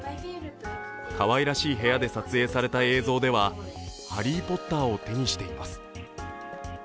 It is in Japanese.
かわいらしい部屋で撮影された映像では「ハリー・ポッター」を手にしています。